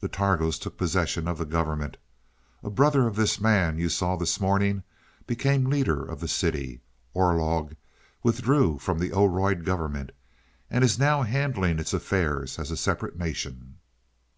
The Targos took possession of the government a brother of this man you saw this morning became leader of the city. Orlog withdrew from the Oroid government and is now handling its affairs as a separate nation."